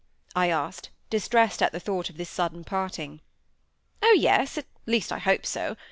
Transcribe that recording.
I asked, distressed at the thought of this sudden parting. "Oh, yes! At least I hope so.